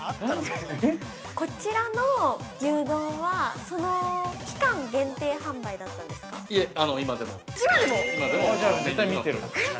◆こちらの牛丼は、その期間限定販売だったんですか。